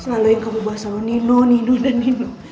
salah lagi kamu bahas sama nino nino dan nino